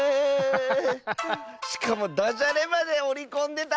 しかもだじゃれまでおりこんでた！